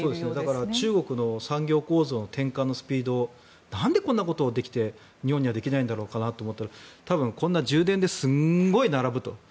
だから中国の産業構造の転換のスピードなんでこんなことができて日本にはできないんだろうかと思ったらこんな、充電ですごい並ぶと。